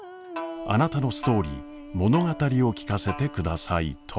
あなたのストーリー物語を聞かせてくださいと。